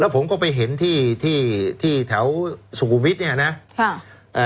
แล้วผมก็ไปเห็นที่ที่ที่แถวสุรุปภาพไว้เนี้ยนะครับอ่า